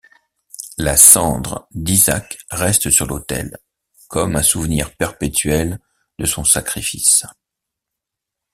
La cendre d'Isaac reste sur l'autel, comme un souvenir perpétuel de son sacrifice.